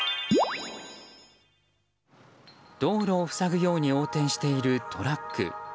道路を塞ぐように横転しているトラック。